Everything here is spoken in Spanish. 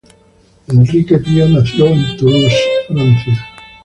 Enrique Pío nació en Toulouse, Francia.